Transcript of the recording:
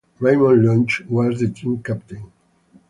Raymond Lunge was the team captain.